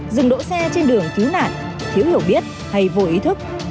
dừng đỗ xe trên đường cứu nạn thiếu hiểu biết hay vô ý thức